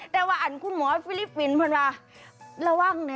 แต่ว่าอันคุณหมอฟิลิปินละว่านี้นะ